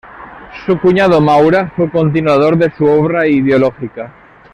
Su cuñado Maura fue continuador de su obra ideológica.